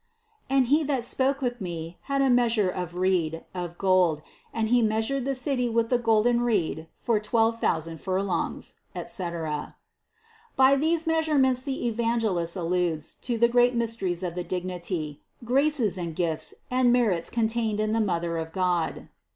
277. "And he that spoke with me had a measure of reed, of gold, and he measured the city with the golden reed for twelve thousand furlongs," etc. By these meas urements the Evangelist alludes to the great mysteries of the dignity, graces and gifts and merits contained in the Mother of God.